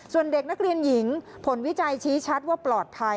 ส่วนเด็กนักเรียนหญิงผลวิจัยชี้ชัดว่าปลอดภัย